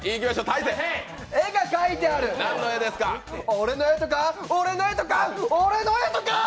俺の絵か、俺の絵とか、俺の絵とかー！